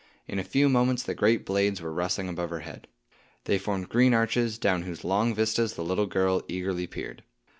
In a few moments the great blades were rustling above her head. They formed green arches, down whose long vistas the little girl eagerly peered.